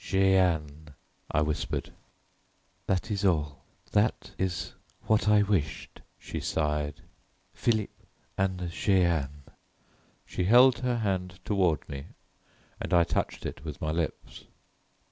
"Jeanne," I whispered. "That is all, that is what I wished," she sighed, "Philip and Jeanne." She held her hand toward me and I touched it with my lips.